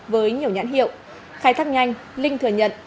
với nhiều nhãn hiệu khai thác nhanh linh thừa nhận